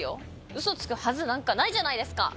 ウソつくはずなんかないじゃないですか！